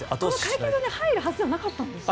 会見場に入るはずじゃなかったんですか？